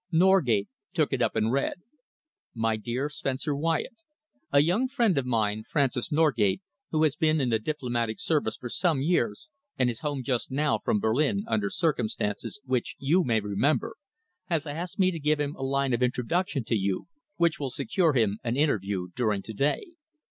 Norgate took it up and read: "My dear Spencer Wyatt, "A young friend of mine, Francis Norgate, who has been in the Diplomatic Service for some years and is home just now from Berlin under circumstances which you may remember, has asked me to give him a line of introduction to you which will secure him an interview during to day.